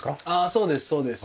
そうですそうです。